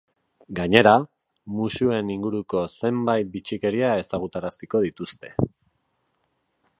Gainera, musuen inguruko zenbait bitxikeria ezagutaraziko dituzte.